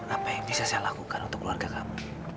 apa yang bisa saya lakukan untuk keluarga kamu